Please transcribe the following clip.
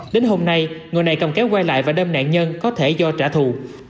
đến hôm nay người này cầm kéo quay lại và đem nạn nhân có thể do trả thù